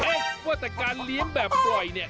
ว่าแต่การเลี้ยงแบบปล่อยเนี่ย